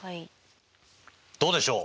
どうでしょう？